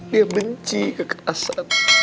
dia benci kekerasan